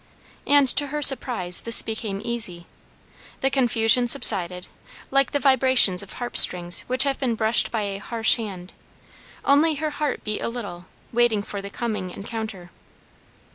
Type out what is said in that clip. And to her surprise, this became easy. The confusion subsided, like the vibrations of harp strings which have been brushed by a harsh hand; only her heart beat a little, waiting for the coming encounter.